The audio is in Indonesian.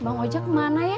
bang ojak mana ya